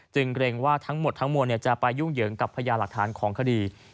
เกรงว่าทั้งหมดทั้งมวลจะไปยุ่งเหยิงกับพญาหลักฐานของคดี